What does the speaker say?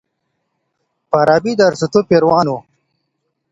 فارابي د ارسطو پیروان و.